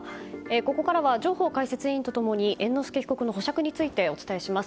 ここからは上法解説委員と共に猿之助被告の保釈についてお伝えします。